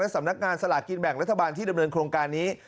สำนักงานสลากกินแบ่งรัฐบาลที่ดำเนินโครงการนี้